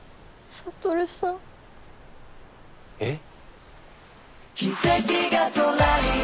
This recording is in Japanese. えっ？